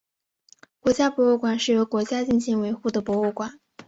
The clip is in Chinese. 国家博物馆是由国家进行维护的博物馆。